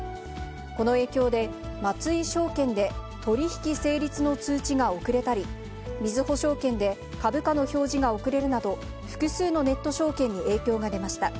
この影響で、松井証券で取り引き成立の通知が遅れたり、みずほ証券で株価の表示が遅れるなど、複数のネット証券に影響が出ました。